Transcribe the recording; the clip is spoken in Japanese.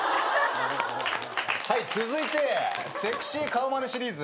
はい続いてセクシー顔まねシリーズ。